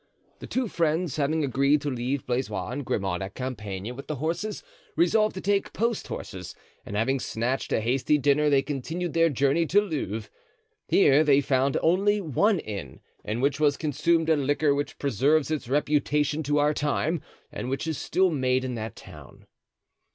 The two friends having agreed to leave Blaisois and Grimaud at Compiegne with the horses, resolved to take post horses; and having snatched a hasty dinner they continued their journey to Louvres. Here they found only one inn, in which was consumed a liqueur which preserves its reputation to our time and which is still made in that town.